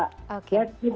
itu kan juga bisa mengurangi